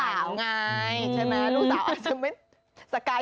แต่ลูกสาวไงลูกสาวอาจจะไม่